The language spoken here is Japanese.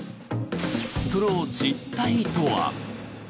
その実態とは。